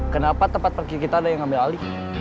kenapa tempat pergi kita ada yang ambil alih